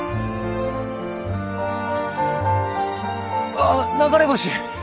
あっ流れ星！